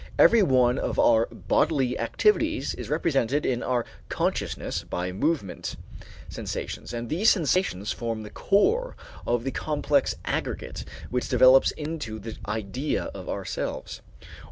Every one of our bodily activities is represented in our consciousness by movement sensations, and these sensations form the core of the complex aggregate which develops into the idea of ourselves.